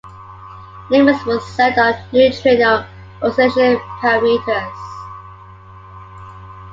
Limits were set on neutrino oscillation parameters.